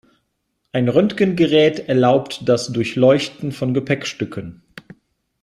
Ein Röntgengerät erlaubt das Durchleuchten von Gepäckstücken.